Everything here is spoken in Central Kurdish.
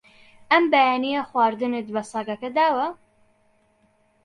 ئەم بەیانییە خواردنت بە سەگەکە داوە؟